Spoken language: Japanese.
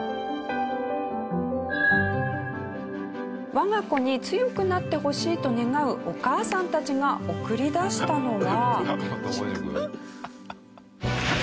我が子に強くなってほしいと願うお母さんたちが送り出したのが。